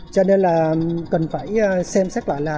cho nên là cần phải xem xét lại là